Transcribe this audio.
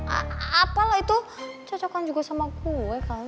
apalah itu cocokan juga sama gue kali